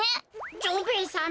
蝶兵衛さま